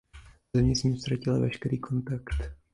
Země s ním ztratila veškerý kontakt.